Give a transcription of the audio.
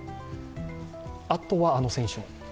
あとはあの選手も。